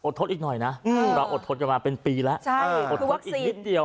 อดทดอีกหน่อยนะเราอดทดไปมาเป็นปีแล้ว